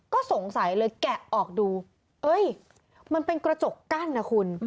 ก็สงสัยเลยแกะออกดูเอ้ยมันเป็นกระจกกั้นนะคุณ